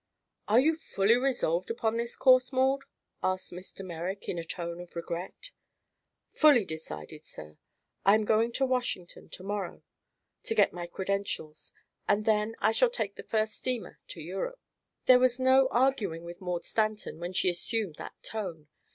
"Are you fully resolved upon this course, Maud?" asked Mr. Merrick in a tone of regret. "Fully decided, sir. I am going to Washington to morrow, to get my credentials, and then I shall take the first steamer to Europe." There was no use arguing with Maud Stanton when she assumed that tone.